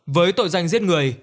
với tội danh giết người